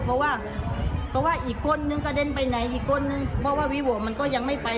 เพราะว่าอีกคนนึงกระเด็นไปไหนเพราะว่าวิววะมันก็ยังไม่ไป